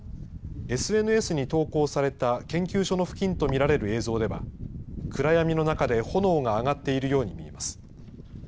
ＳＮＳに投稿された、研究所の付近と見られる映像では、暗闇の中で炎が上がっているように見えます。